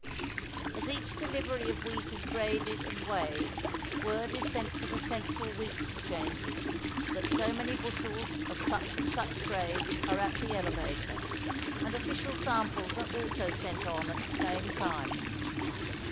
As each delivery of wheat is graded and weighed, word is sent to the central wheat exchanges that so many bushels of such and such grades are at the elevator, and official samples are also sent on at the same time.